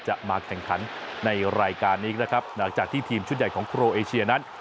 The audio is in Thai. หลักจากที่ทีมชุดใหญ่ของโครเอเชียนั้น